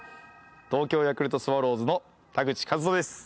東京ヤクルトスワローズの田口麗斗です。